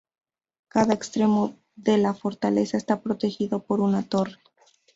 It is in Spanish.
Cada extremo de la fortaleza está protegido por una torre.